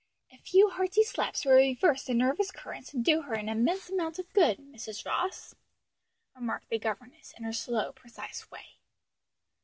"A few hearty slaps would reverse the nervous currents and do her an immense amount of good, Mrs. Ross," remarked the governess in her slow, precise way.